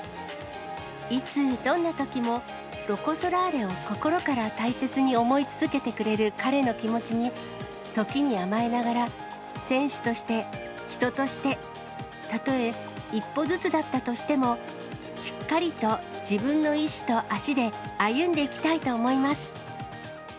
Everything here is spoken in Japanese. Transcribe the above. いつ、どんなときも、ロコ・ソラーレを心から大切に思い続けてくれる彼の気持ちに、時に甘えながら、選手として、人として、たとえ一歩ずつだったとしても、しっかりと自分の意志と足で、歩んでいきたいと思います。